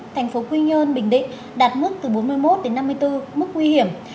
thành phố quy nhơn bình định đạt mức từ bốn mươi một đến năm mươi bốn mức nguy hiểm